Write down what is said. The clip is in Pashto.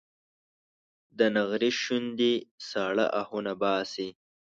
د نغري شوندې ساړه اهونه باسي